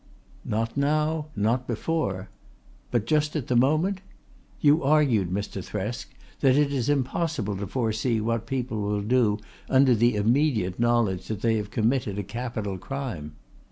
"Not now, not before. But just at the moment? You argued, Mr. Thresk, that it is impossible to foresee what people will do under the immediate knowledge that they have committed a capital crime.